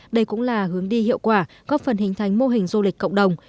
đây cũng là hướng đi hiệu quả góp phần hình thành mô hình du lịch cộng đồng